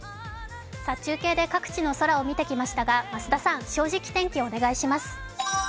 中継で各地の空を見てきましたが、増田さん、「正直天気」をお願いします。